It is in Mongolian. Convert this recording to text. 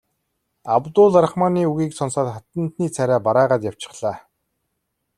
Абдул Рахманы үгийг сонсоод хатантны царай барайгаад явчихлаа.